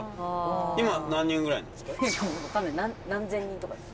今何人ぐらいなんですか？